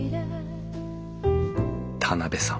田邊さん